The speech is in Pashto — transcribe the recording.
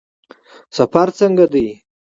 سفر څنګه دی؟